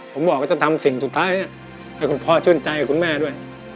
ผมบอกว่าจะทำคุณพ่อชื่นใจให้คุณแม่ด้วย